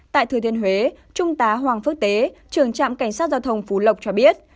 tại thừa thiên huế trung tá hoàng phước tế trưởng trạm cảnh sát giao thông phú lộc cho biết